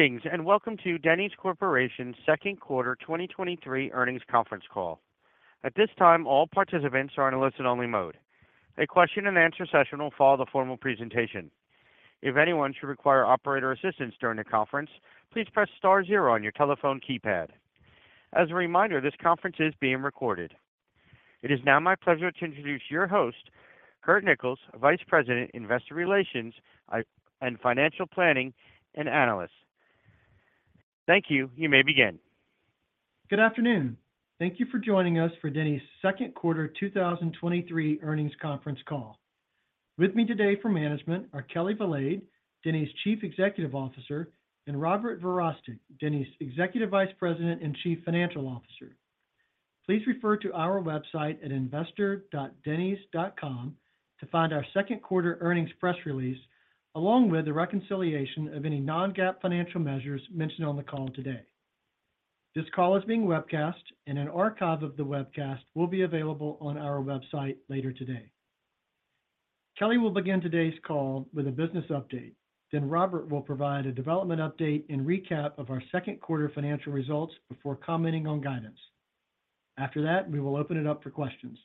Greetings, welcome to Denny's Corporation's second quarter 2023 earnings conference call. At this time, all participants are in a listen-only mode. A question and answer session will follow the formal presentation. If anyone should require operator assistance during the conference, please press star zero on your telephone keypad. As a reminder, this conference is being recorded. It is now my pleasure to introduce your host, Curt Nichols, Vice President, Investor Relations, and Financial Planning and Analysis. Thank you. You may begin. Good afternoon. Thank you for joining us for Denny's second quarter 2023 earnings conference call. With me today for management are Kelli Valade, Denny's Chief Executive Officer, and Robert Verostek, Denny's Executive Vice President and Chief Financial Officer. Please refer to our website at investor.dennys.com to find our second quarter earnings press release, along with the reconciliation of any non-GAAP financial measures mentioned on the call today. This call is being webcast, and an archive of the webcast will be available on our website later today. Kelli will begin today's call with a business update, then Robert will provide a development update and recap of our second quarter financial results before commenting on guidance. After that, we will open it up for questions.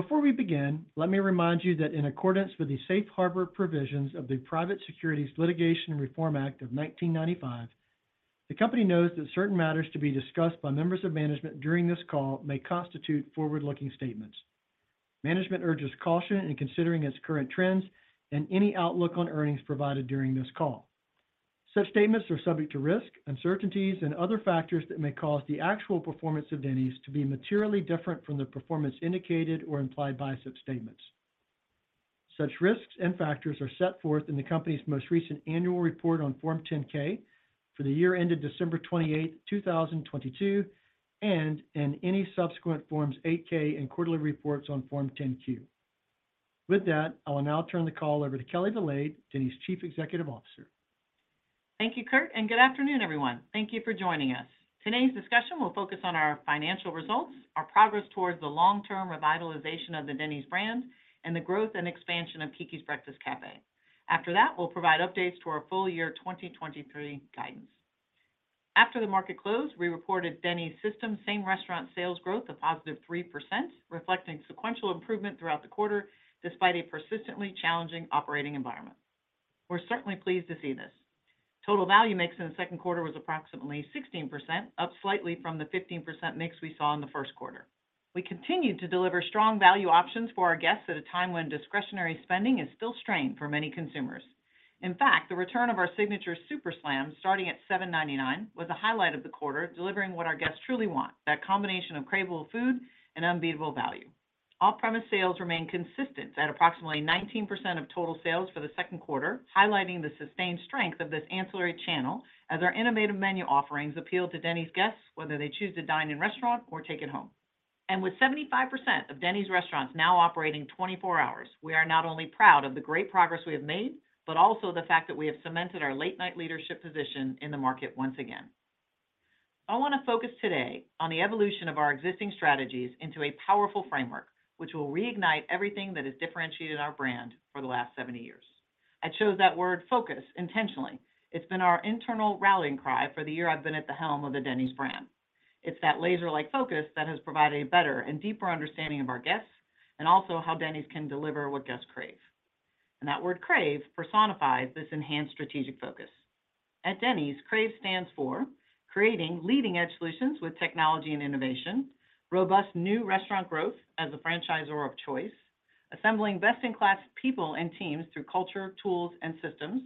Before we begin, let me remind you that in accordance with the safe harbor provisions of the Private Securities Litigation Reform Act of 1995, the company knows that certain matters to be discussed by members of management during this call may constitute forward-looking statements. Management urges caution in considering its current trends and any outlook on earnings provided during this call. Such statements are subject to risk, uncertainties, and other factors that may cause the actual performance of Denny's to be materially different from the performance indicated or implied by such statements. Such risks and factors are set forth in the company's most recent annual report on Form 10-K for the year ended December 28, 2022, and in any subsequent Forms 8-K and quarterly reports on Form 10-Q. With that, I will now turn the call over to Kelli Valade, Denny's Chief Executive Officer. Thank you, Curt. Good afternoon, everyone. Thank you for joining us. Today's discussion will focus on our financial results, our progress towards the long-term revitalization of the Denny's brand, and the growth and expansion of Keke’s Breakfast Cafe. After that, we'll provide updates to our full year 2023 guidance. After the market closed, we reported Denny's system same restaurant sales growth of positive 3%, reflecting sequential improvement throughout the quarter, despite a persistently challenging operating environment. We're certainly pleased to see this. Total value mix in the second quarter was approximately 16%, up slightly from the 15% mix we saw in the first quarter. We continued to deliver strong value options for our guests at a time when discretionary spending is still strained for many consumers. In fact, the return of our signature Super Slam, starting at $7.99, was a highlight of the quarter, delivering what our guests truly want: that combination of craveable food and unbeatable value. Off-premise sales remain consistent at approximately 19% of total sales for the second quarter, highlighting the sustained strength of this ancillary channel as our innovative menu offerings appeal to Denny's guests, whether they choose to dine in restaurant or take it home. With 75% of Denny's restaurants now operating 24 hours, we are not only proud of the great progress we have made, but also the fact that we have cemented our late-night leadership position in the market once again. I want to focus today on the evolution of our existing strategies into a powerful framework, which will reignite everything that has differentiated our brand for the last 70 years. I chose that word "focus" intentionally. It's been our internal rallying cry for the year I've been at the helm of the Denny's brand. It's that laser-like focus that has provided a better and deeper understanding of our guests, also how Denny's can deliver what guests crave. That word "crave" personifies this enhanced strategic focus. At Denny's, CRAVE stands for Creating leading-edge solutions with technology and innovation, Robust new restaurant growth as a franchisor of choice, Assembling best-in-class people and teams through culture, tools, and systems,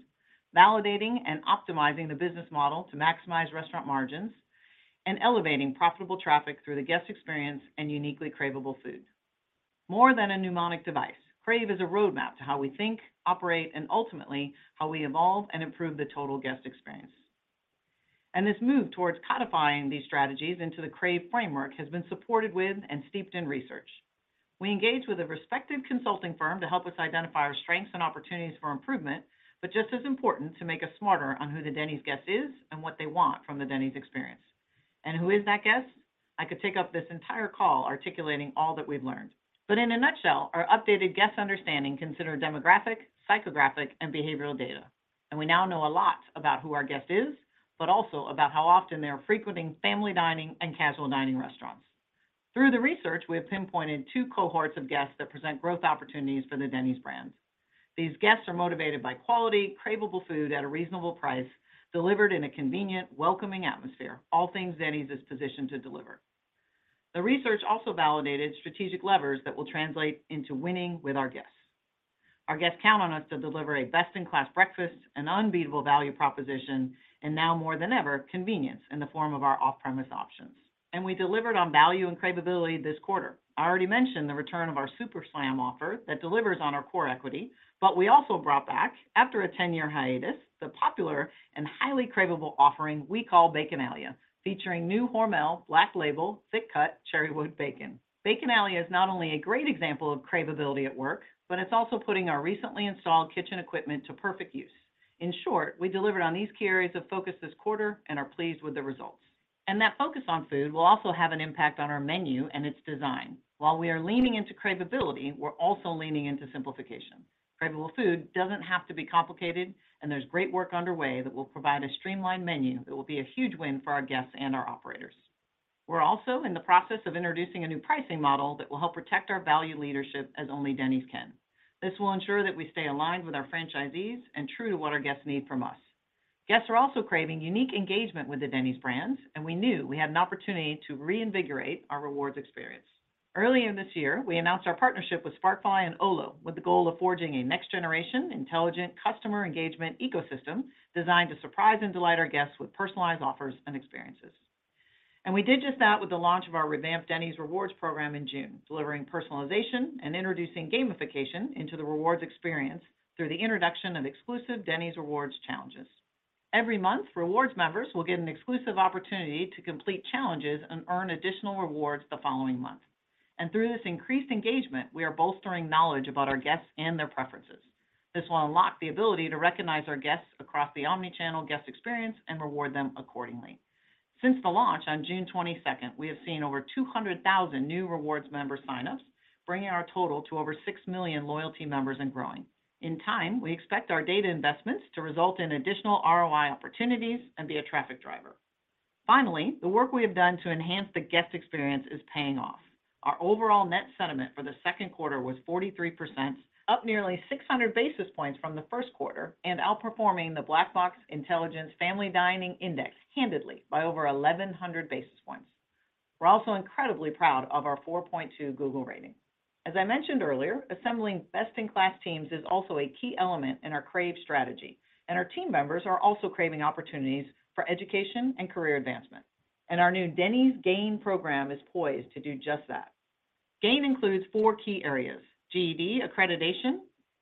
Validating and optimizing the business model to maximize restaurant margins, and Elevating profitable traffic through the guest experience and uniquely craveable food. More than a mnemonic device, CRAVE is a roadmap to how we think, operate, and ultimately, how we evolve and improve the total guest experience. This move towards codifying these strategies into the CRAVE framework has been supported with and steeped in research. We engaged with a respected consulting firm to help us identify our strengths and opportunities for improvement, but just as important, to make us smarter on who the Denny's guest is and what they want from the Denny's experience. Who is that guest? I could take up this entire call articulating all that we've learned. In a nutshell, our updated guest understanding consider demographic, psychographic, and behavioral data. We now know a lot about who our guest is, but also about how often they are frequenting family dining and casual dining restaurants. Through the research, we have pinpointed two cohorts of guests that present growth opportunities for the Denny's brand. These guests are motivated by quality, craveable food at a reasonable price, delivered in a convenient, welcoming atmosphere, all things Denny's is positioned to deliver. The research also validated strategic levers that will translate into winning with our guests. Our guests count on us to deliver a best-in-class breakfast, an unbeatable value proposition, and now more than ever, convenience in the form of our off-premise options. We delivered on value and craveability this quarter. I already mentioned the return of our Super Slam offer that delivers on our core equity, but we also brought back, after a ten-year hiatus, the popular and highly craveable offering we call Baconalia, featuring new HORMEL BLACK LABEL Thick-Cut Cherrywood Bacon. Baconalia is not only a great example of craveability at work, but it's also putting our recently installed kitchen equipment to perfect use. In short, we delivered on these key areas of focus this quarter and are pleased with the results. That focus on food will also have an impact on our menu and its design. While we are leaning into craveability, we're also leaning into simplification. Craveable food doesn't have to be complicated, and there's great work underway that will provide a streamlined menu that will be a huge win for our guests and our operators. We're also in the process of introducing a new pricing model that will help protect our value leadership as only Denny's can. This will ensure that we stay aligned with our franchisees and true to what our guests need from us. Guests are also craving unique engagement with the Denny's brands, and we knew we had an opportunity to reinvigorate our rewards experience. Earlier this year, we announced our partnership with Sparkfly and Olo, with the goal of forging a next generation, intelligent customer engagement ecosystem designed to surprise and delight our guests with personalized offers and experiences. We did just that with the launch of our revamped Denny's Rewards program in June, delivering personalization and introducing gamification into the rewards experience through the introduction of exclusive Denny's Rewards challenges. Every month, rewards members will get an exclusive opportunity to complete challenges and earn additional rewards the following month. Through this increased engagement, we are bolstering knowledge about our guests and their preferences. This will unlock the ability to recognize our guests across the omni-channel guest experience and reward them accordingly. Since the launch on June 22nd, we have seen over 200,000 new rewards members sign ups, bringing our total to over six million loyalty members and growing. In time, we expect our data investments to result in additional ROI opportunities and be a traffic driver. Finally, the work we have done to enhance the guest experience is paying off. Our overall net sentiment for the second quarter was 43%, up nearly 600 basis points from the first quarter, and outperforming the Black Box Intelligence Family Dining Index handedly by over 1,100 basis points. We're also incredibly proud of our 4.2 Google rating. As I mentioned earlier, assembling best-in-class teams is also a key element in our CRAVE strategy, Our team members are also craving opportunities for education and career advancement. Our new Denny's GAIN program is poised to do just that. GAIN includes four key areas: GED accreditation,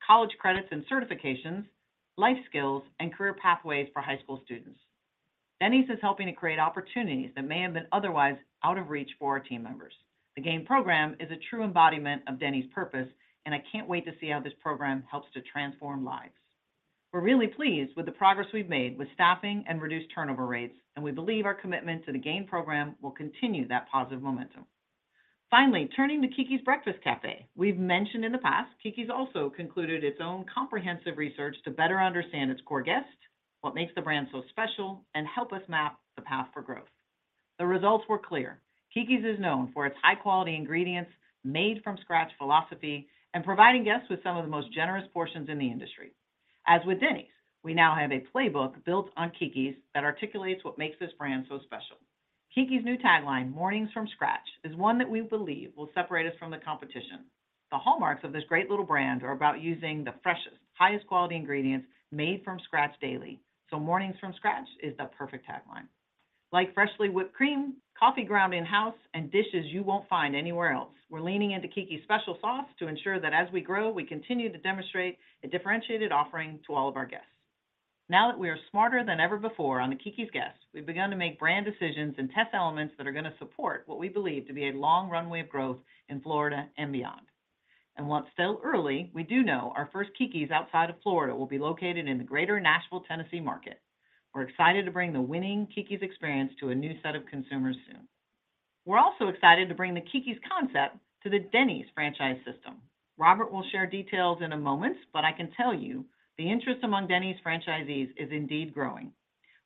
college credits and certifications, life skills, and career pathways for high school students. Denny's is helping to create opportunities that may have been otherwise out of reach for our team members. The GAIN program is a true embodiment of Denny's purpose. I can't wait to see how this program helps to transform lives. We're really pleased with the progress we've made with staffing and reduced turnover rates. We believe our commitment to the GAIN program will continue that positive momentum. Finally, turning to Keke’s Breakfast Cafe. We've mentioned in the past, Keke's also concluded its own comprehensive research to better understand its core guests, what makes the brand so special, and help us map the path for growth. The results were clear. Keke's is known for its high-quality ingredients, made from scratch philosophy, and providing guests with some of the most generous portions in the industry. As with Denny's, we now have a playbook built on Keke’s that articulates what makes this brand so special. Keke’s new tagline, "Mornings from Scratch," is one that we believe will separate us from the competition. The hallmarks of this great little brand are about using the freshest, highest quality ingredients made from scratch daily. Mornings from Scratch is the perfect tagline. Like freshly whipped cream, coffee ground in-house, and dishes you won't find anywhere else, we're leaning into Keke’s special sauce to ensure that as we grow, we continue to demonstrate a differentiated offering to all of our guests. Now that we are smarter than ever before on the Keke’s guests, we've begun to make brand decisions and test elements that are going to support what we believe to be a long runway of growth in Florida and beyond. While it's still early, we do know our first Keke's outside of Florida will be located in the Greater Nashville, Tennessee market. We're excited to bring the winning Keke's experience to a new set of consumers soon. We're also excited to bring the Keke's concept to the Denny's franchise system. Robert will share details in a moment. I can tell you the interest among Denny's franchisees is indeed growing.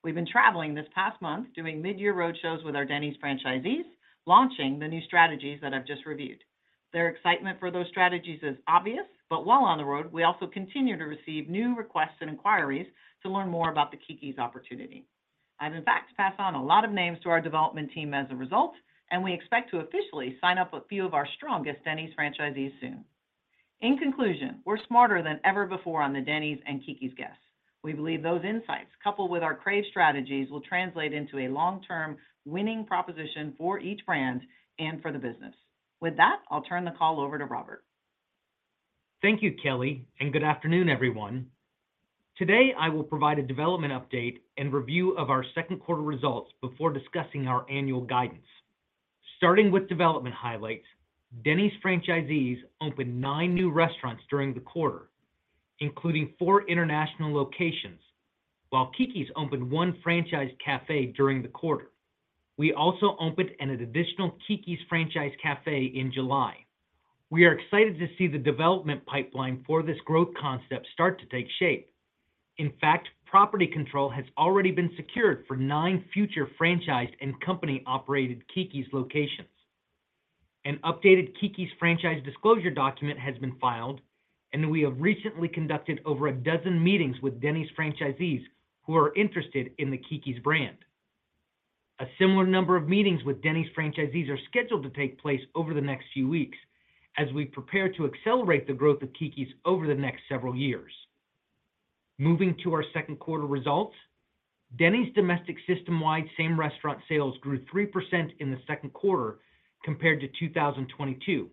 We've been traveling this past month, doing mid-year road shows with our Denny's franchisees, launching the new strategies that I've just reviewed. Their excitement for those strategies is obvious. While on the road, we also continue to receive new requests and inquiries to learn more about the Keke's opportunity. I've, in fact, passed on a lot of names to our development team as a result, and we expect to officially sign up a few of our strongest Denny's franchisees soon. In conclusion, we're smarter than ever before on the Denny's and Keke's guests. We believe those insights, coupled with our CRAVE strategies, will translate into a long-term winning proposition for each brand and for the business. With that, I'll turn the call over to Robert. Thank you, Kelly, and good afternoon, everyone. Today, I will provide a development update and review of our second quarter results before discussing our annual guidance. Starting with development highlights, Denny's franchisees opened nine new restaurants during the quarter, including four international locations, while Keke’s opened one franchise cafe during the quarter. We also opened an additional Keke’s franchise cafe in July. We are excited to see the development pipeline for this growth concept start to take shape. In fact, property control has already been secured for nine future franchised and Company-operated Keke’s locations. An updated Keke’s Franchise Disclosure Document has been filed, and we have recently conducted over a dozen meetings with Denny's franchisees who are interested in the Keke’s brand. A similar number of meetings with Denny's franchisees are scheduled to take place over the next few weeks as we prepare to accelerate the growth of Keke's over the next several years. Moving to our second quarter results, Denny's domestic system-wide same-restaurant sales grew 3% in the second quarter compared to 2022,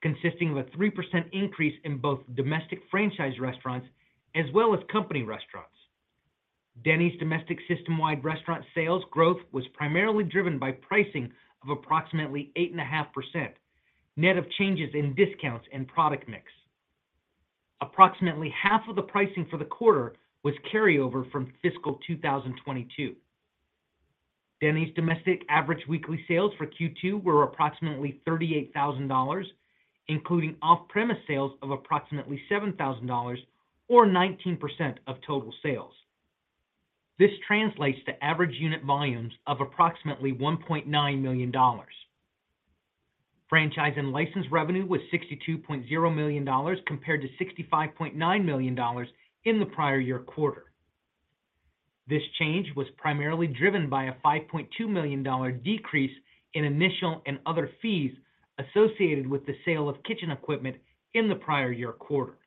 consisting of a 3% increase in both domestic franchise restaurants as well as Company restaurants. Denny's domestic system-wide restaurant sales growth was primarily driven by pricing of approximately 8.5%, net of changes in discounts and product mix. Approximately half of the pricing for the quarter was carryover from fiscal 2022. Denny's domestic average weekly sales for Q2 were approximately $38,000, including off-premise sales of approximately $7,000 or 19% of total sales. This translates to average unit volumes of approximately $1.9 million. Franchise and license revenue was $62.0 million, compared to $65.9 million in the prior year quarter. This change was primarily driven by a $5.2 million decrease in initial and other fees associated with the sale of kitchen equipment in the prior year quarter.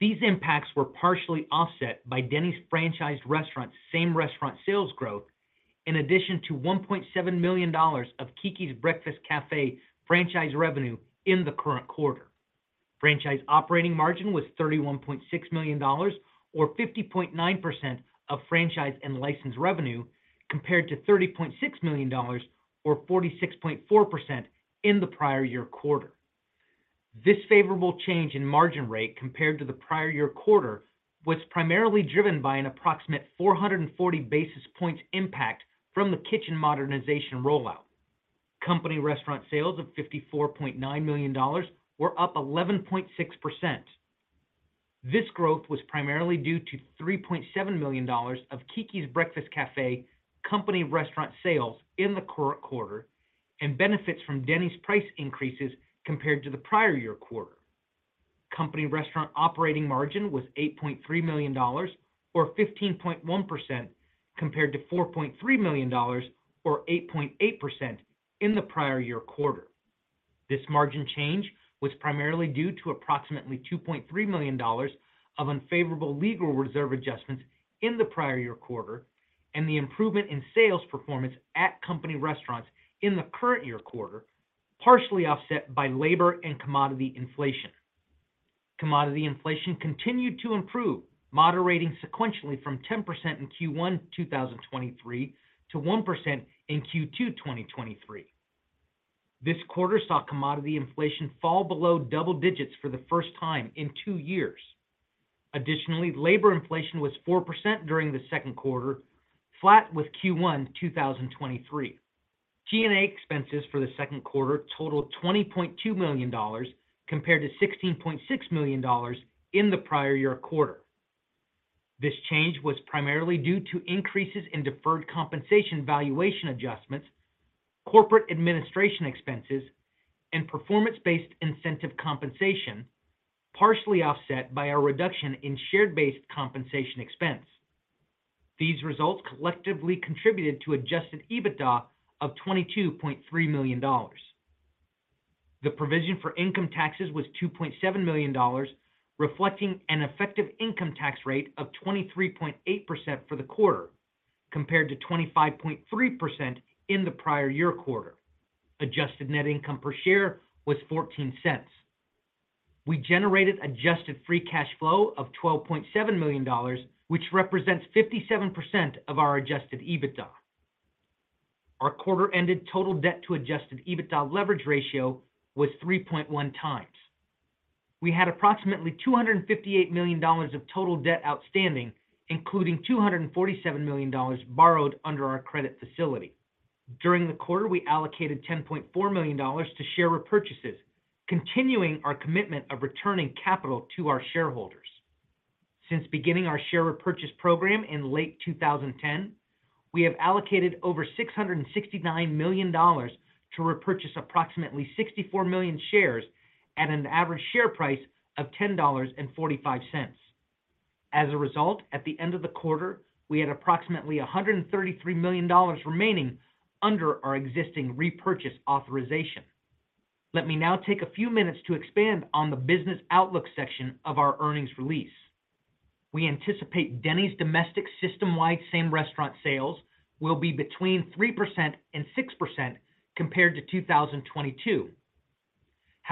These impacts were partially offset by Denny's franchised restaurants' same restaurant sales growth, in addition to $1.7 million of Keke's Breakfast Cafe franchise revenue in the current quarter. Franchise operating margin was $31.6 million, or 50.9% of franchise and license revenue, compared to $30.6 million or 46.4% in the prior year quarter. This favorable change in margin rate compared to the prior year quarter was primarily driven by an approximate 440 basis points impact from the kitchen modernization rollout. Company restaurant sales of $54.9 million were up 11.6%. This growth was primarily due to $3.7 million of Keke's Breakfast Cafe Company restaurant sales in the current quarter, and benefits from Denny's price increases compared to the prior year quarter. Company restaurant operating margin was $8.3 million or 15.1%, compared to $4.3 million or 8.8% in the prior year quarter. This margin change was primarily due to approximately $2.3 million of unfavorable legal reserve adjustments in the prior year quarter, and the improvement in sales performance at Company restaurants in the current year quarter, partially offset by labor and commodity inflation. Commodity inflation continued to improve, moderating sequentially from 10% in Q1 2023 to 1% in Q2 2023. This quarter saw commodity inflation fall below double digits for the first time in two years. Additionally, labor inflation was 4% during the second quarter, flat with Q1 2023. G&A expenses for the second quarter totaled $20.2 million, compared to $16.6 million in the prior year quarter. This change was primarily due to increases in deferred compensation valuation adjustments, corporate administration expenses, and performance-based incentive compensation, partially offset by a reduction in share-based compensation expense. These results collectively contributed to Adjusted EBITDA of $22.3 million. The provision for income taxes was $2.7 million, reflecting an effective income tax rate of 23.8% for the quarter, compared to 25.3% in the prior year quarter. Adjusted net income per share was $0.14. We generated adjusted free cash flow of $12.7 million, which represents 57% of our Adjusted EBITDA. Our quarter-ended total debt to Adjusted EBITDA leverage ratio was 3.1x. We had approximately $258 million of total debt outstanding, including $247 million borrowed under our credit facility. During the quarter, we allocated $10.4 million to share repurchases, continuing our commitment of returning capital to our shareholders. Since beginning our share repurchase program in late 2010, we have allocated over $669 million to repurchase approximately 64 million shares at an average share price of $10.45. As a result, at the end of the quarter, we had approximately $133 million remaining under our existing repurchase authorization. Let me now take a few minutes to expand on the business outlook section of our earnings release. We anticipate Denny's domestic system-wide same restaurant sales will be between 3% and 6% compared to 2022.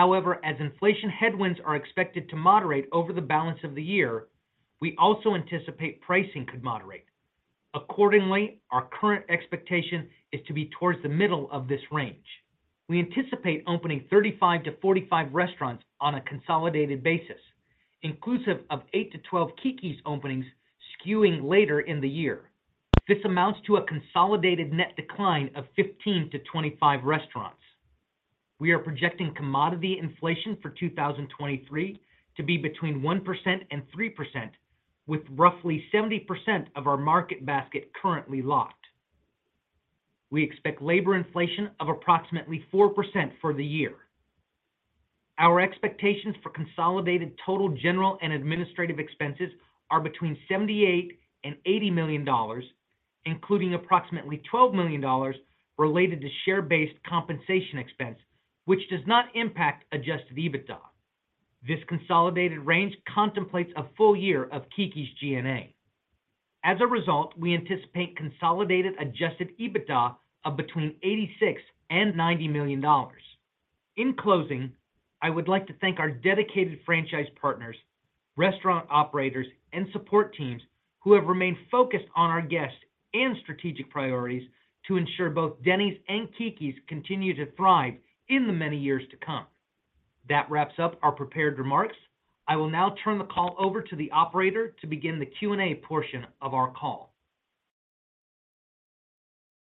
As inflation headwinds are expected to moderate over the balance of the year, we also anticipate pricing could moderate. Accordingly, our current expectation is to be towards the middle of this range. We anticipate opening 35-45 restaurants on a consolidated basis, inclusive of 8-12 Keke's openings, skewing later in the year. This amounts to a consolidated net decline of 15-25 restaurants. We are projecting commodity inflation for 2023 to be between 1% and 3%, with roughly 70% of our market basket currently locked. We expect labor inflation of approximately 4% for the year. Our expectations for consolidated total general and administrative expenses are between $78 million and $80 million, including approximately $12 million related to share-based compensation expense, which does not impact Adjusted EBITDA. This consolidated range contemplates a full year of Keke's G&A. As a result, we anticipate consolidated Adjusted EBITDA of between $86 million and $90 million. In closing, I would like to thank our dedicated franchise partners, restaurant operators, and support teams who have remained focused on our guests and strategic priorities to ensure both Denny's and Keke's continue to thrive in the many years to come. That wraps up our prepared remarks. I will now turn the call over to the operator to begin the Q&A portion of our call.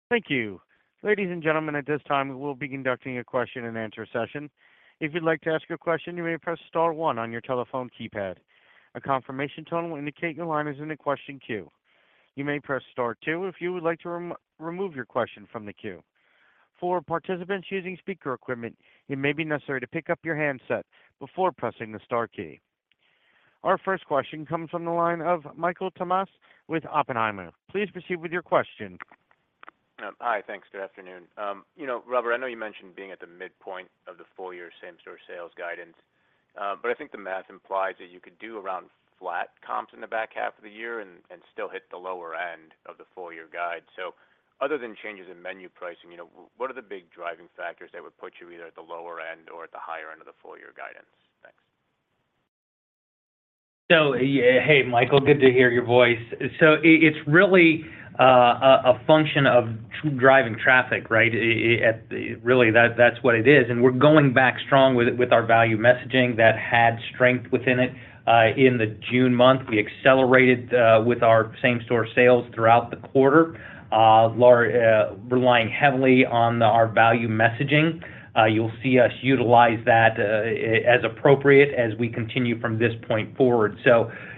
Thank you. Ladies and gentlemen, at this time, we will be conducting a question-and-answer session. If you'd like to ask a question, you may press star one on your telephone keypad. A confirmation tone will indicate your line is in the question queue. You may press star two if you would like to remove your question from the queue. For participants using speaker equipment, it may be necessary to pick up your handset before pressing the star key. Our first question comes from the line of Michael Tamas with Oppenheimer. Please proceed with your question. Hi. Thanks. Good afternoon. You know, Robert, I know you mentioned being at the midpoint of the full year same-store sales guidance, but I think the math implies that you could do around flat comps in the back half of the year and still hit the lower end of the full year guide. Other than changes in menu pricing, you know, what are the big driving factors that would put you either at the lower end or at the higher end of the full year guidance? Thanks. Hey, Michael, good to hear your voice. It's really a function of true driving traffic, right? Really, that's what it is, and we're going back strong with our value messaging that had strength within it in the June month. We accelerated with our same-store sales throughout the quarter, relying heavily on our value messaging. You'll see us utilize that as appropriate as we continue from this point forward.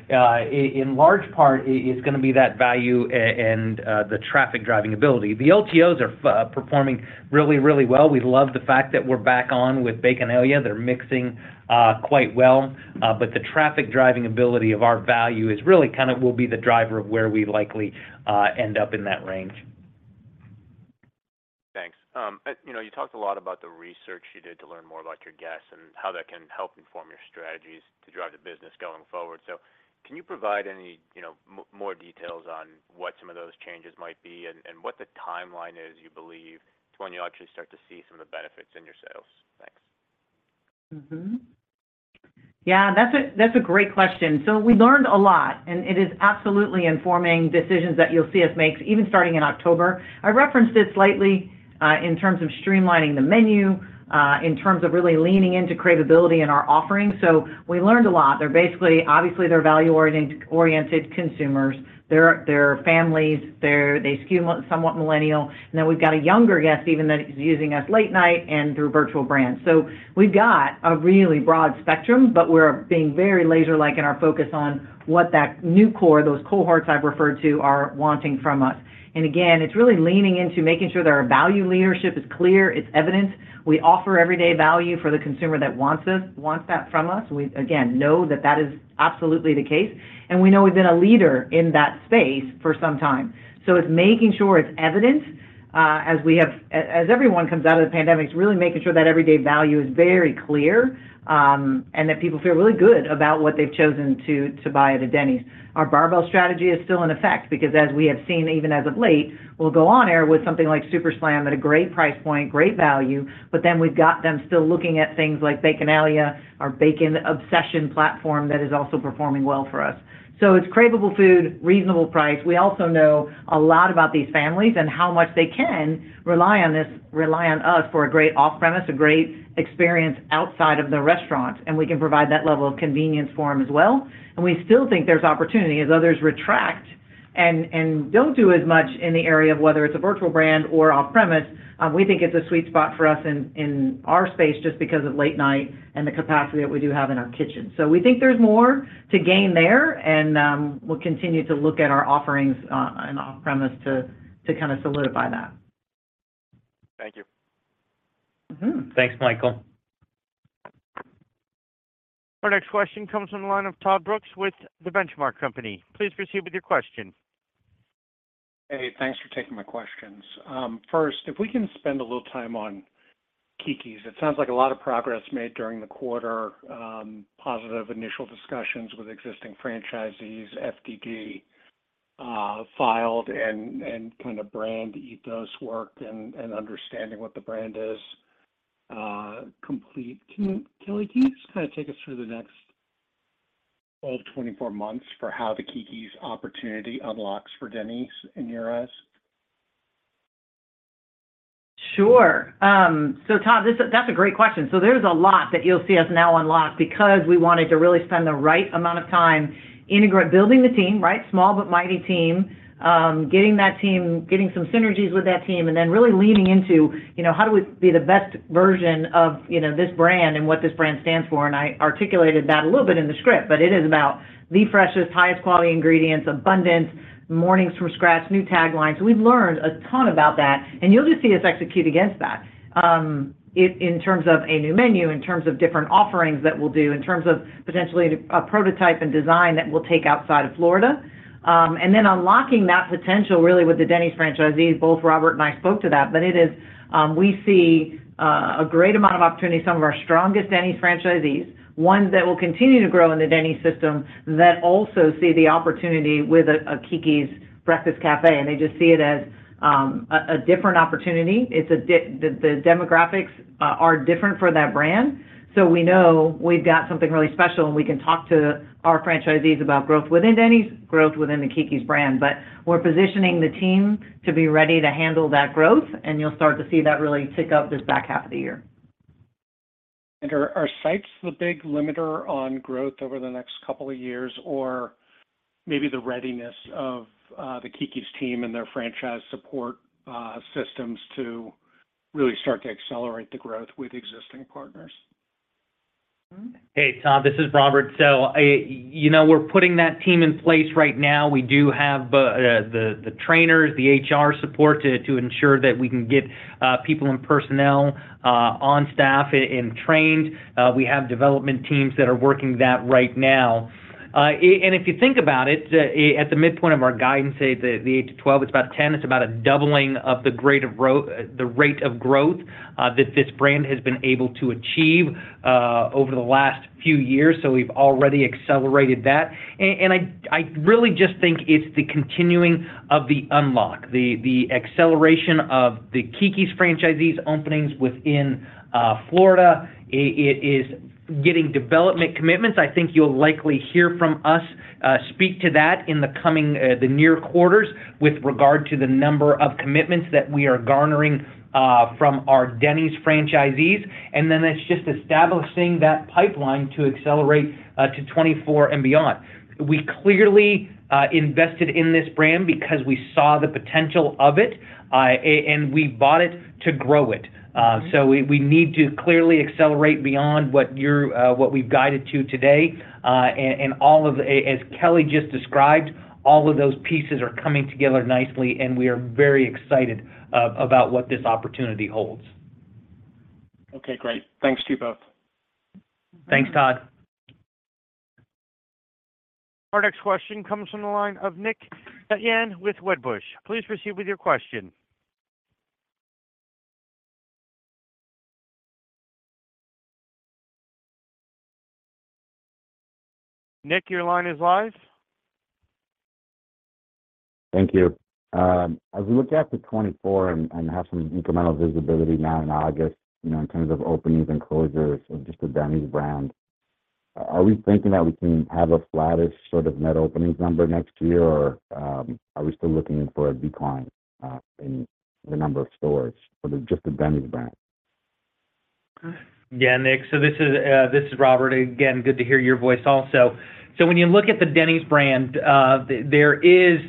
In large part, it's gonna be that value and the traffic-driving ability. The LTOs are performing really, really well. We love the fact that we're back on with Baconalia. They're mixing, quite well, but the traffic-driving ability of our value is really kind of will be the driver of where we likely, end up in that range. Thanks. You know, you talked a lot about the research you did to learn more about your guests and how that can help inform your strategies to drive the business going forward. Can you provide any, you know, more details on what some of those changes might be and what the timeline is, you believe, to when you'll actually start to see some of the benefits in your sales? Thanks. Yeah, that's a great question. We learned a lot, and it is absolutely informing decisions that you'll see us make, even starting in October. I referenced this slightly in terms of streamlining the menu, in terms of really leaning into craveability in our offerings. We learned a lot. Obviously, they're value-oriented consumers. They're families, they skew somewhat millennial, and we've got a younger guest even that is using us late night and through virtual brands. We've got a really broad spectrum, but we're being very laser-like in our focus on what that new core, those cohorts I've referred to, are wanting from us. Again, it's really leaning into making sure that our value leadership is clear, it's evident. We offer everyday value for the consumer that wants this, wants that from us. We, again, know that that is absolutely the case, and we know we've been a leader in that space for some time. It's making sure it's evident, as everyone comes out of the pandemic, it's really making sure that everyday value is very clear, and that people feel really good about what they've chosen to, to buy at a Denny's. Our barbell strategy is still in effect because, as we have seen, even as of late, we'll go on air with something like Super Slam at a great price point, great value, but then we've got them still looking at things like Baconalia, our bacon obsession platform, that is also performing well for us. It's craveable food, reasonable price. We also know a lot about these families and how much they can rely on this, rely on us for a great off-premise, a great experience outside of the restaurant, and we can provide that level of convenience for them as well. We still think there's opportunity as others retract and, and don't do as much in the area of whether it's a virtual brand or off-premise. We think it's a sweet spot for us in, in our space just because of late night and the capacity that we do have in our kitchen. We think there's more to gain there, and we'll continue to look at our offerings in off-premise to, to kind of solidify that. Thank you. Mm-hmm. Thanks, Michael. Our next question comes from the line of Todd Brooks with The Benchmark Company. Please proceed with your question. Hey, thanks for taking my questions. First, if we can spend a little time on Keke's. It sounds like a lot of progress made during the quarter, positive initial discussions with existing franchisees, FDD filed, brand ethos worked, understanding what the brand is complete. Kelli, can you just take us through the next 12, 24 months for how the Keke's opportunity unlocks for Denny's in your eyes? Sure. Todd, that's a great question. There's a lot that you'll see us now unlock because we wanted to really spend the right amount of time integrate, building the team, right? Small but mighty team. Getting that team, getting some synergies with that team, and then really leaning into, you know, how do we be the best version of, you know, this brand and what this brand stands for. I articulated that a little bit in the script, but it is about the freshest, highest quality ingredients, abundance, Mornings from Scratch, new taglines. We've learned a ton about that, and you'll just see us execute against that. In, in terms of a new menu, in terms of different offerings that we'll do, in in terms of potentially a, a prototype and design that we'll take outside of Florida. Then unlocking that potential, really, with the Denny's franchisees, both Robert and I spoke to that, but it is, we see a great amount of opportunity. Some of our strongest Denny's franchisees, ones that will continue to grow in the Denny's system, that also see the opportunity with a Keke's Breakfast Cafe, and they just see it as a different opportunity. It's the demographics are different for that brand, so we know we've got something really special, and we can talk to our franchisees about growth within Denny's, growth within the Keke's brand. We're positioning the team to be ready to handle that growth, and you'll start to see that really tick up this back half of the year. Are, are sites the big limiter on growth over the next couple of years, or maybe the readiness of the Keke's team and their franchise support systems to really start to accelerate the growth with existing partners? Hey, Todd, this is Robert. I, you know, we're putting that team in place right now. We do have the trainers, the HR support to ensure that we can get people and personnel on staff and trained. We have development teams that are working that right now. And if you think about it, at the midpoint of our guidance, say the 8-12, it's about 10, it's about a doubling of the rate of growth that this brand has been able to achieve over the last few years. We've already accelerated that. And I, I really just think it's the continuing of the unlock, the acceleration of the Keke's franchisees openings within Florida. It is getting development commitments. I think you'll likely hear from us, speak to that in the coming, the near quarters with regard to the number of commitments that we are garnering, from our Denny's franchisees. Then it's just establishing that pipeline to accelerate to 2024 and beyond. We clearly invested in this brand because we saw the potential of it, and we bought it to grow it. We, we need to clearly accelerate beyond what you're, what we've guided to today. As Kelly just described, all of those pieces are coming together nicely, and we are very excited about what this opportunity holds. Okay, great. Thanks to you both. Thanks, Todd. Our next question comes from the line of Nick Setyan with Wedbush. Please proceed with your question. Nick, your line is live. Thank you. As we look out to 2024 and, and have some incremental visibility now in August, you know, in terms of openings and closures of just the Denny's brand, are we thinking that we can have a flattish sort of net openings number next year, or, are we still looking for a decline in the number of stores for the just the Denny's brand? Yeah, Nick, this is Robert. Again, good to hear your voice also. When you look at the Denny's brand, there is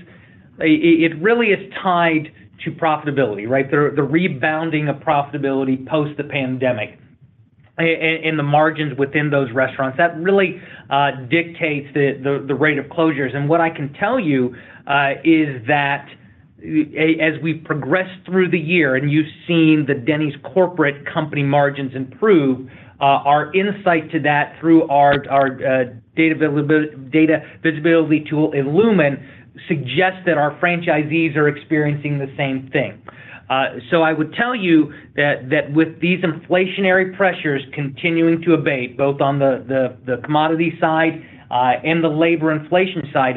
it, it really is tied to profitability, right? The, the rebounding of profitability post the pandemic and the margins within those restaurants, that really dictates the, the, the rate of closures. What I can tell you is that as we progress through the year, and you've seen the Denny's corporate company margins improve, our insight to that through our, our data availability, data visibility tool, Illumin, suggests that our franchisees are experiencing the same thing. I would tell you that, that with these inflationary pressures continuing to abate, both on the commodity side, and the labor inflation side,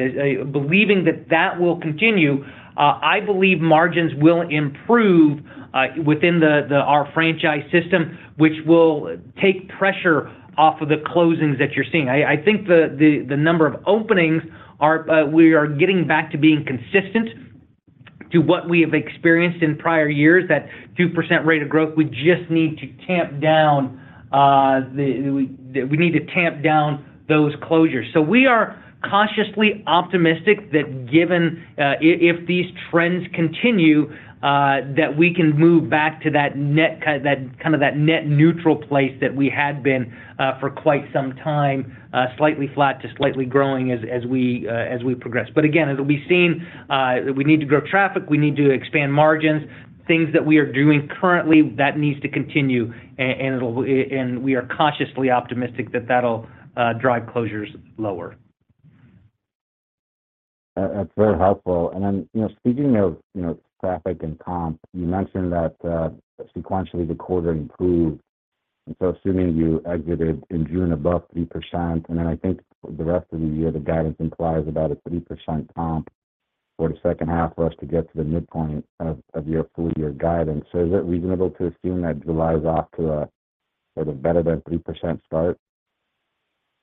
believing that that will continue, I believe margins will improve, within our franchise system, which will take pressure off of the closings that you're seeing. I, I think the number of openings are, we are getting back to being consistent to what we have experienced in prior years, that 2% rate of growth. We just need to tamp down those closures. We are cautiously optimistic that given, if these trends continue, that we can move back to that net cut, that kind of that net neutral place that we had been, for quite some time, slightly flat to slightly growing as, as we, as we progress. Again, it'll be seen, we need to grow traffic, we need to expand margins, things that we are doing currently, that needs to continue, and it'll, and we are cautiously optimistic that that'll drive closures lower. That's very helpful. You know, speaking of, you know, traffic and comp, you mentioned that sequentially, the quarter improved. Assuming you exited in June above 3%, then I think for the rest of the year, the guidance implies about a 3% comp for the second half for us to get to the midpoint of, of your full year guidance. Is it reasonable to assume that July is off to a sort of better than 3% start?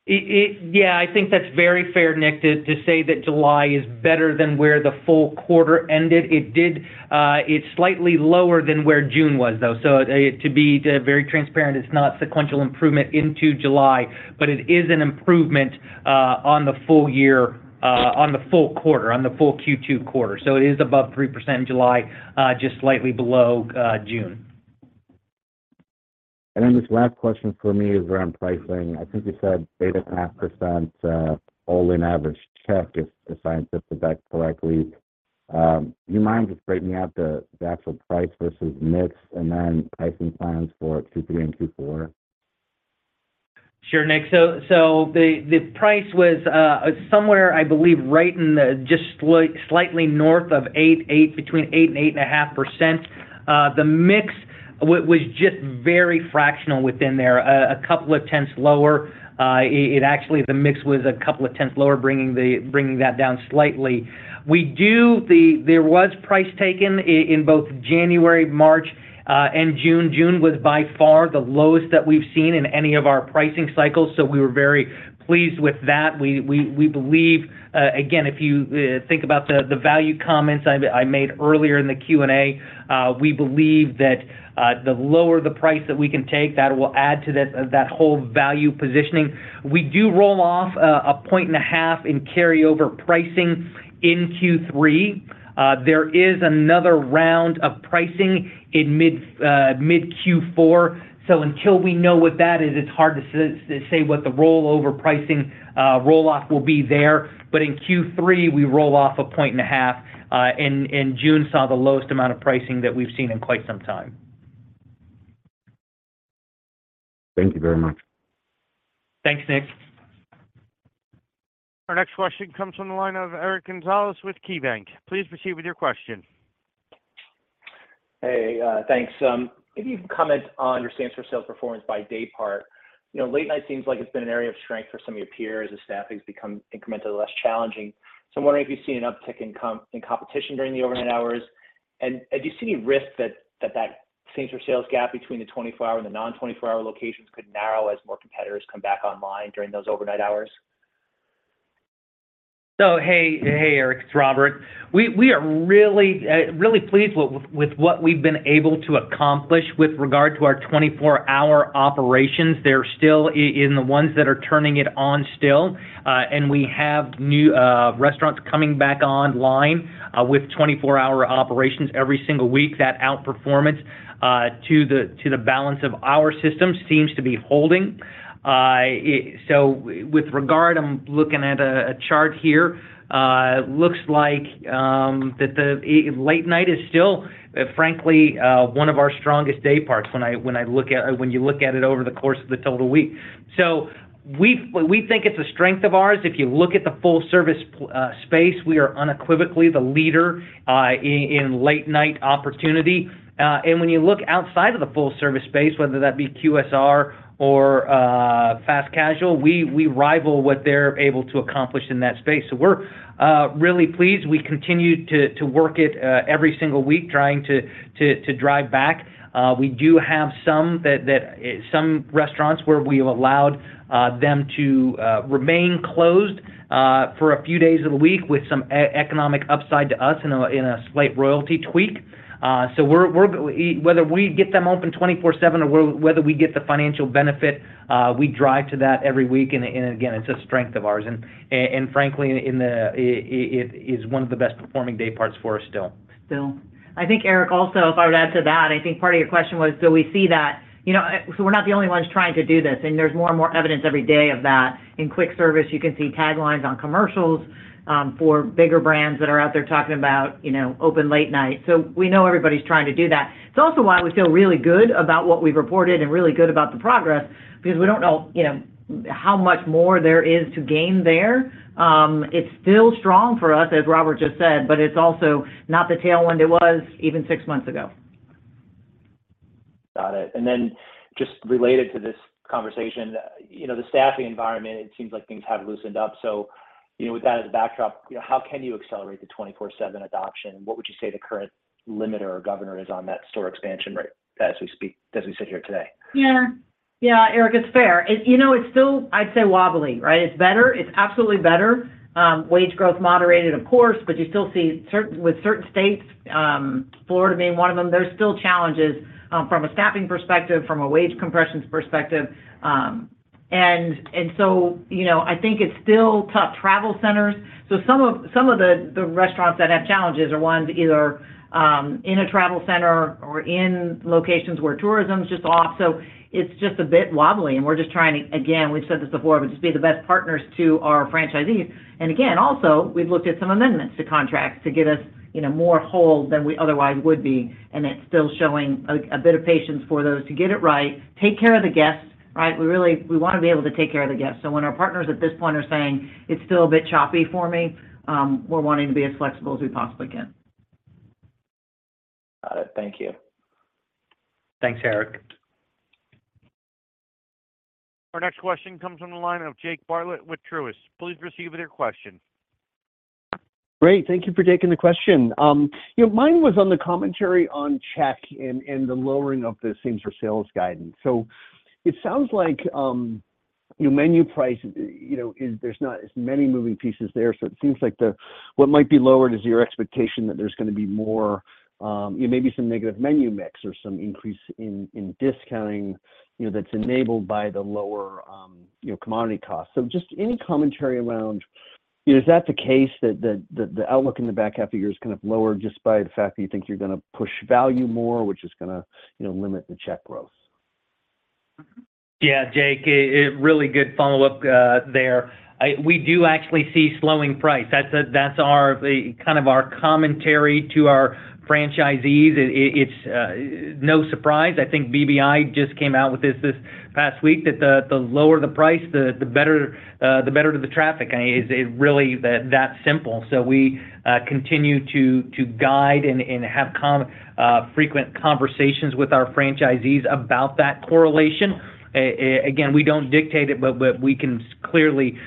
Yeah, I think that's very fair, Nick, to say that July is better than where the full quarter ended. It did, it's slightly lower than where June was, though. To be very transparent, it's not sequential improvement into July, but it is an improvement on the full year, on the full quarter, on the full Q2 quarter. It is above 3% in July, just slightly below June. This last question for me is around pricing. I think you said 8.5%, all-in average check, if I listened to that correctly. Do you mind just breaking out the the actual price versus mix, and then pricing plans for Q3 and Q4? Sure, Nick. The price was somewhere, I believe, right in the, just slightly north of 8%, 8%, between 8% and 8.5%. The mix was just very fractional within there, a couple of tenths lower. It actually, the mix was a couple of tenths lower, bringing that down slightly. There was price taken in both January, March, and June. June was by far the lowest that we've seen in any of our pricing cycles, so we were very pleased with that. We, we, we believe, again, if you think about the value comments I that I made earlier in the Q&A, we believe that the lower the price that we can take, that will add to this, that whole value positioning. We do roll off 1.5 points in carryover pricing in Q3. There is another round of pricing in mid-Q4. Until we know what that is, it's hard to say what the rollover pricing roll-off will be there. In Q3, we roll off 1.5 points, and June saw the lowest amount of pricing that we've seen in quite some time. Thank you very much. Thanks, Nick. Our next question comes from the line of Eric Gonzalez with KeyBank. Please proceed with your question. Hey, thanks. If you can comment on your same store sales performance by daypart. You know, late night seems like it's been an area of strength for some of your peers as staffing's become incrementally less challenging. I'm wondering if you've seen an uptick in competition during the overnight hours? Do you see any risk that same store sales gap between the 24-hour and the non-24-hour locations could narrow as more competitors come back online during those overnight hours? Hey, hey, Eric, it's Robert. We, we are really, really pleased with, with what we've been able to accomplish with regard to our 24-hour operations. They're still in the ones that are turning it on still. We have new restaurants coming back online with 24-hour operations every single week. That outperformance to the, to the balance of our system seems to be holding. With regard, I'm looking at a, a chart here. It looks like that the late night is still, frankly, one of our strongest dayparts when I, when I look at when you look at it over the course of the total week. We, we think it's a strength of ours. If you look at the full service space, we are unequivocally the leader in late night opportunity. When you look outside of the full service space, whether that be QSR or fast casual, we, we rival what they're able to accomplish in that space. We're really pleased. We continue to, to work it every single week, trying to, to, to drive back. We do have some restaurants where we've allowed them to remain closed for a few days of the week with some economic upside to us in a slight royalty tweak. We're whether we get them open 24/7 or whether we get the financial benefit, we drive to that every week, and, and again, it's a strength of ours. frankly, it is one of the best performing dayparts for us still. Still. I think, Eric, also, if I would add to that, I think part of your question was, do we see that? You know, we're not the only ones trying to do this, and there's more and more evidence every day of that. In quick service, you can see taglines on commercials for bigger brands that are out there talking about, you know, open late night. We know everybody's trying to do that. It's also why we feel really good about what we've reported and really good about the progress because we don't know, you know, how much more there is to gain there. It's still strong for us, as Robert just said, but it's also not the tailwind it was even six months ago. Got it. Then just related to this conversation, you know, the staffing environment, it seems like things have loosened up. You know, with that as a backdrop, how can you accelerate the 24/7 adoption? What would you say the current limiter or governor is on that store expansion rate as we speak, as we sit here today? Yeah. Yeah, Eric, it's fair. It, you know, it's still, I'd say, wobbly, right? It's better. It's absolutely better. Wage growth moderated, of course, but you still see certain with certain states, Florida being one of them, there's still challenges, from a staffing perspective, from a wage compressions perspective, and so, you know, I think it's still tough. Travel centers. Some of the restaurants that have challenges are ones either in a travel center or in locations where tourism is just off. It's just a bit wobbly, and we're just trying to, again, we've said this before, but just be the best partners to our franchisees. Again, also, we've looked at some amendments to contracts to get us, you know, more whole than we otherwise would be, and it's still showing a, a bit of patience for those to get it right, take care of the guests, right? We really, we want to be able to take care of the guests. So when our partners at this point are saying, "It's still a bit choppy for me," we're wanting to be as flexible as we possibly can. Got it. Thank you. Thanks, Eric. Our next question comes from the line of Jake Bartlett with Truist. Please proceed with your question. Great. Thank you for taking the question. You know, mine was on the commentary on check and, and the lowering of the same store sales guidance. It sounds like, you know, menu price, you know, is there's not as many moving pieces there, so it seems like the... What might be lowered is your expectation that there's gonna be more, you know, maybe some negative menu mix or some increase in, in discounting, you know, that's enabled by the lower, you know, commodity costs. Just any commentary around, you know, is that the case that, that, that the outlook in the back half of the year is kind of lower just by the fact that you think you're gonna push value more, which is gonna, you know, limit the check growth? ... Yeah, Jake, a really good follow-up there. We do actually see slowing price. That's, that's our, the kind of our commentary to our franchisees. It, it's no surprise. I think BBI just came out with this this past week, that the lower the price, the better the traffic. It's really that simple. We continue to guide and have frequent conversations with our franchisees about that correlation. We don't dictate it, but we can clearly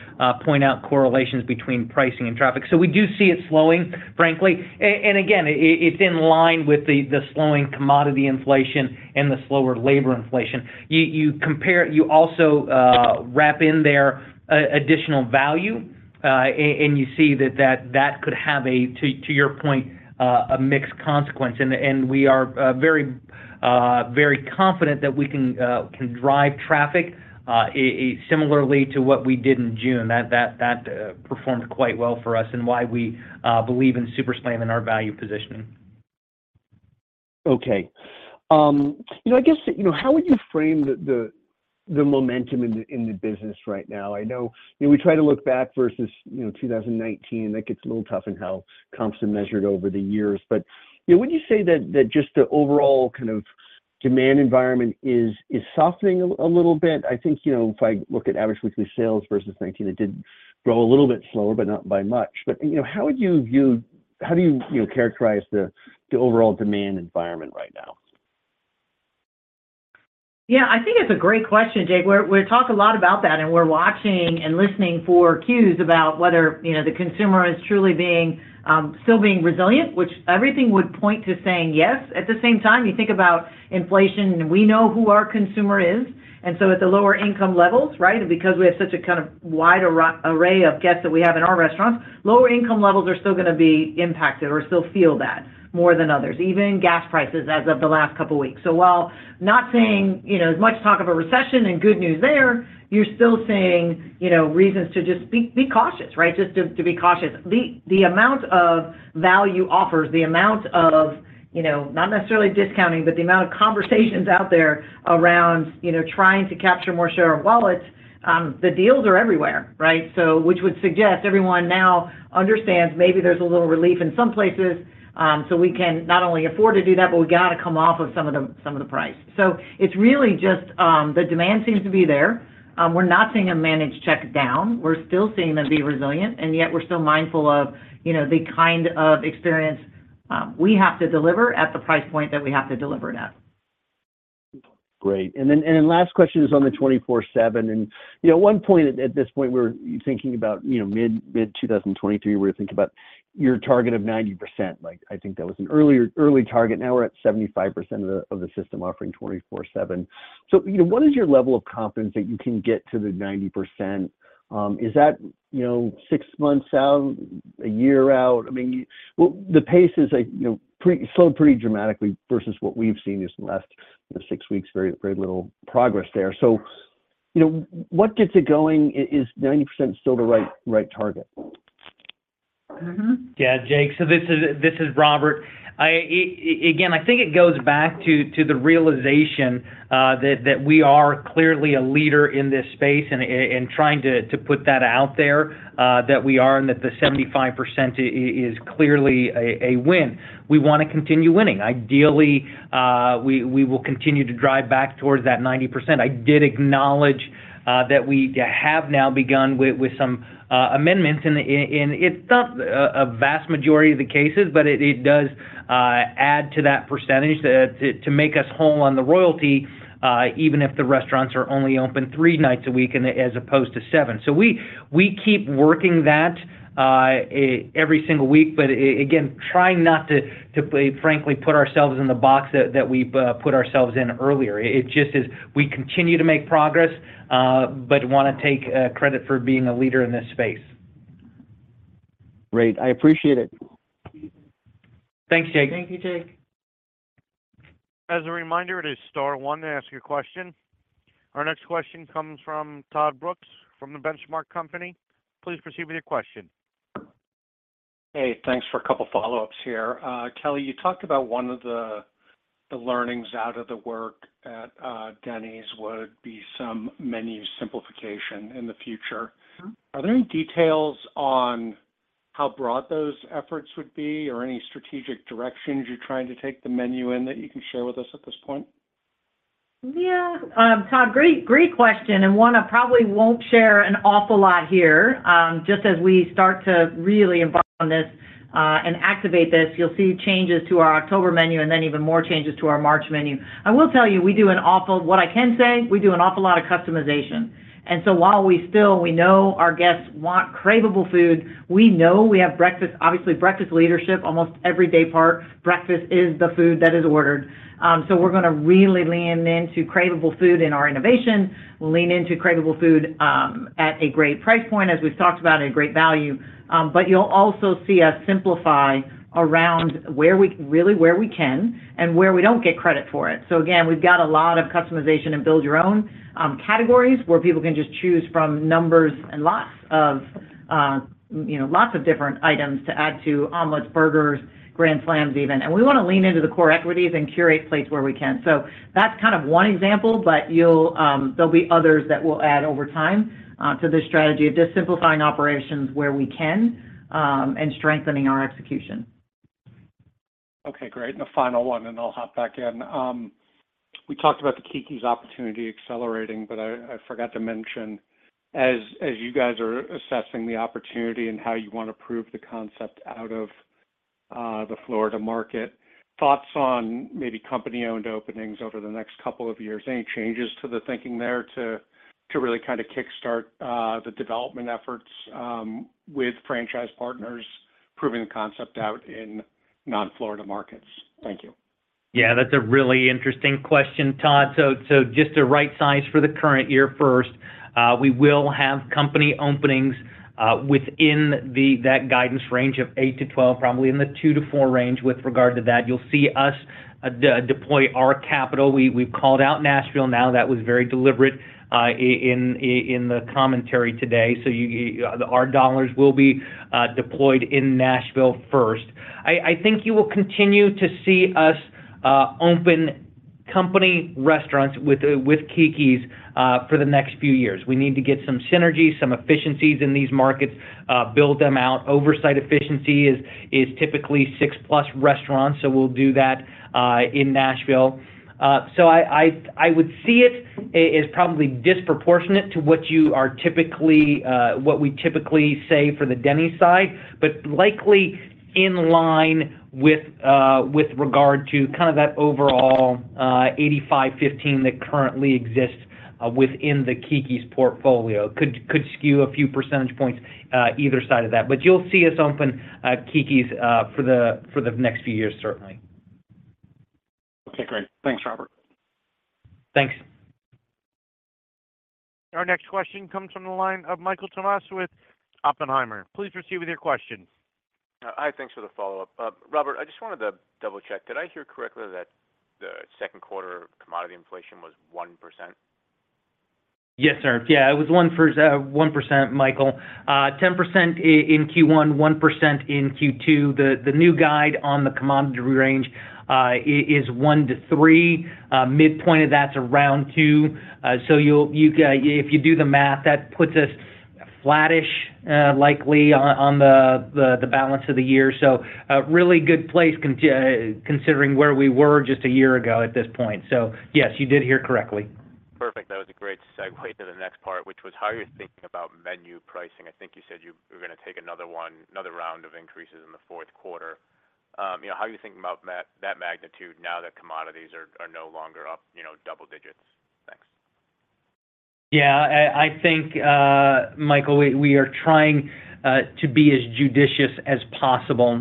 point out correlations between pricing and traffic. We do see it slowing, frankly. And again, it's in line with the slowing commodity inflation and the slower labor inflation. You, you compare-- You also wrap in there additional value, and you see that, that, that could have a, to, to your point, a mixed consequence. We are very, very confident that we can can drive traffic, similarly to what we did in June. That, that, that performed quite well for us and why we believe in Super Slam and our value positioning. Okay. you know, I guess, you know, how would you frame the, the, the momentum in the, in the business right now? I know, you know, we try to look back versus, you know, 2019, that gets a little tough in how comps are measured over the years. you know, would you say that, that just the overall kind of demand environment is, is softening a little bit? I think, you know, if I look at average weekly sales versus 2019, it did grow a little bit slower, but not by much. you know, How do you, you know, characterize the, the overall demand environment right now? Yeah, I think it's a great question, Jake. We talk a lot about that, and we're watching and listening for cues about whether, you know, the consumer is truly being still being resilient, which everything would point to saying yes. At the same time, you think about inflation, and we know who our consumer is, and so at the lower income levels, right? Because we have such a kind of wide array of guests that we have in our restaurants, lower income levels are still going to be impacted or still feel that more than others, even gas prices as of the last couple of weeks. While not saying, you know, as much talk of a recession and good news there, you're still seeing, you know, reasons to just be cautious, right? Just to be cautious. The, the amount of value offers, the amount of, you know, not necessarily discounting, but the amount of conversations out there around, you know, trying to capture more share of wallets, the deals are everywhere, right? Which would suggest everyone now understands maybe there's a little relief in some places, so we can not only afford to do that, but we've got to come off of some of the, some of the price. It's really just, the demand seems to be there. We're not seeing a managed check down. We're still seeing them be resilient, and yet we're still mindful of, you know, the kind of experience, we have to deliver at the price point that we have to deliver it at. Great. Then, and then last question is on the 24/7. You know, at one point at, at this point, we were thinking about, you know, mid-2023, we were thinking about your target of 90%. Like, I think that was an earlier, early target. Now we're at 75% of the, of the system offering 24/7. You know, what is your level of confidence that you can get to the 90%? Is that, you know, six months out, one year out? I mean, well, the pace is like, you know, pretty slowed pretty dramatically versus what we've seen just in the last six weeks. Very, very little progress there. You know, what gets it going? Is 90% still the right, right target? Mm-hmm. Yeah, Jake. This is, this is Robert. I, again, I think it goes back to, to the realization that, that we are clearly a leader in this space, and, and trying to, to put that out there that we are, and that the 75% is clearly a, a win. We want to continue winning. Ideally, we, we will continue to drive back towards that 90%. I did acknowledge that we have now begun with, with some amendments, and, and it's not a, a vast majority of the cases, but it, it does add to that percentage to, to, to make us whole on the royalty, even if the restaurants are only open three nights a week and as opposed to seven. We, we keep working that every single week, but again, trying not to, to frankly, put ourselves in the box that, that we've put ourselves in earlier. It just is we continue to make progress, but want to take credit for being a leader in this space. Great. I appreciate it. Thanks, Jake. Thank you, Jake. As a reminder, it is star one to ask your question. Our next question comes from Todd Brooks, from The Benchmark Company. Please proceed with your question. Hey, thanks for a couple follow-ups here. Kelly, you talked about one of the, the learnings out of the work at Denny's would be some menu simplification in the future. Mm-hmm. Are there any details on how broad those efforts would be or any strategic directions you're trying to take the menu in that you can share with us at this point? Yeah, Todd, great, great question, and one I probably won't share an awful lot here. Just as we start to really embark on this and activate this, you'll see changes to our October menu and then even more changes to our March menu. I will tell you, what I can say, we do an awful lot of customization. While we still, we know our guests want craveable food, we know we have breakfast, obviously breakfast leadership. Almost every day part, breakfast is the food that is ordered. We're going to really lean into craveable food in our innovation. We'll lean into craveable food at a great price point, as we've talked about, and a great value. You'll also see us simplify around really where we can and where we don't get credit for it. Again, we've got a lot of customization and build your own categories, where people can just choose from numbers and you know, lots of different items to add to omelets, burgers, Grand Slams, even. We want to lean into the core equities and curate plates where we can. That's kind of one example, but you'll there'll be others that we'll add over time to this strategy of just simplifying operations where we can and strengthening our execution. Okay, great. The final one, and I'll hop back in. We talked about the Keke's opportunity accelerating, but I, I forgot to mention, as you guys are assessing the opportunity and how you want to prove the concept out of the Florida market, thoughts on maybe Company-owned openings over the next couple of years? Any changes to the thinking there to really kind of kickstart the development efforts with franchise partners proving the concept out in non-Florida markets? Thank you. Yeah, that's a really interesting question, Todd. Just to rightsize for the current year first, we will have Company openings within that guidance range of 8-12, probably in the 2-4 range with regard to that. You'll see us deploy our capital. We've called out Nashville now, that was very deliberate in the commentary today. Your dollars will be deployed in Nashville first. I think you will continue to see us open Company restaurants with Keke's for the next few years. We need to get some synergies, some efficiencies in these markets, build them out. Oversight efficiency is typically 6-plus restaurants, so we'll do that in Nashville. I, I, I would see it as probably disproportionate to what you are typically, what we typically say for the Denny's side, likely in line with, with regard to kind of that overall, 85, 15 that currently exists within the Keke's portfolio. Could, could skew a few percentage points either side of that. You'll see us open Keke's for the next few years, certainly. Okay, great. Thanks, Robert. Thanks. Our next question comes from the line of Michael Tamas, Oppenheimer. Please proceed with your question. Hi, thanks for the follow-up. Robert, I just wanted to double-check. Did I hear correctly that the second quarter commodity inflation was 1%? Yes, sir. Yeah, it was one for 1%, Michael. 10% in Q1, 1% in Q2. The new guide on the commodity range is 1%-3%. Midpoint of that's around 2%. You'll, you can If you do the math, that puts us flattish, likely on the balance of the year. A really good place considering where we were just a year ago at this point. Yes, you did hear correctly. Perfect. That was a great segue to the next part, which was how you're thinking about menu pricing. I think you said you were gonna take another another round of increases in the fourth quarter. How are you thinking about that magnitude now that commodities are, are no longer up, you know, double digits? Thanks. Yeah, I, I think, Michael, we, we are trying to be as judicious as possible.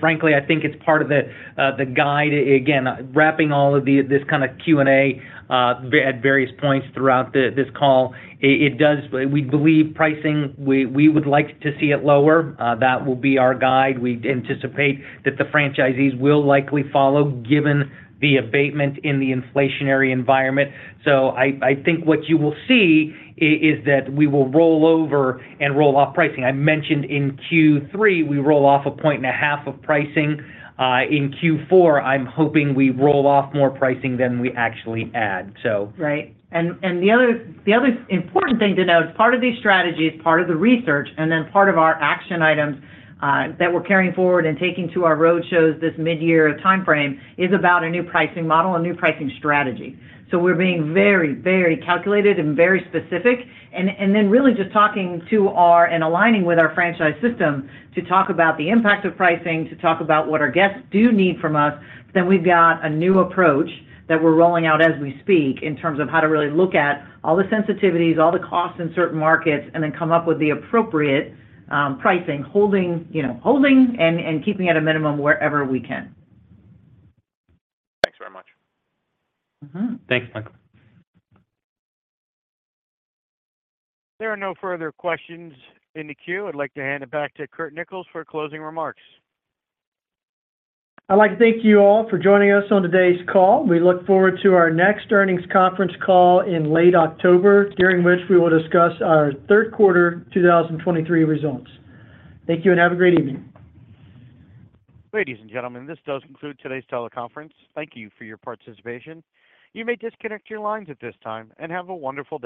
Frankly, I think it's part of the guide. Again, wrapping all of this kind of Q&A at various points throughout this call. We believe pricing, we, we would like to see it lower. That will be our guide. We anticipate that the franchisees will likely follow, given the abatement in the inflationary environment. I, I think what you will see is that we will roll over and roll off pricing. I mentioned in Q3, we roll off 1.5 points of pricing. In Q4, I'm hoping we roll off more pricing than we actually add. Right. And, and the other, the other important thing to note, part of these strategies, part of the research, and then part of our action items, that we're carrying forward and taking to our road shows this mid-year timeframe, is about a new pricing model, a new pricing strategy. We're being very, very calculated and very specific, and, and then really just talking to our, and aligning with our franchise system, to talk about the impact of pricing, to talk about what our guests do need from us. We've got a new approach that we're rolling out as we speak, in terms of how to really look at all the sensitivities, all the costs in certain markets, and then come up with the appropriate, pricing, holding, you know, holding and, and keeping at a minimum wherever we can. Thanks very much. Mm-hmm. Thanks, Michael. There are no further questions in the queue. I'd like to hand it back to Curt Nichols for closing remarks. I'd like to thank you all for joining us on today's call. We look forward to our next earnings conference call in late October, during which we will discuss our third quarter 2023 results. Thank you, and have a great evening. Ladies and gentlemen, this does conclude today's teleconference. Thank you for your participation. You may disconnect your lines at this time, and have a wonderful day.